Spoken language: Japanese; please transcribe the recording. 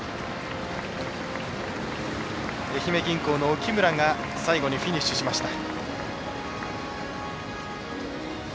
愛媛銀行の沖村が最後にフィニッシュしました。